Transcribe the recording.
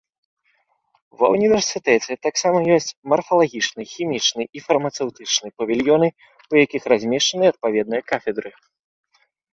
Ва універсітэце таксама ёсць марфалагічны, хімічны і фармацэўтычны павільёны, у якіх размешчаны адпаведныя кафедры.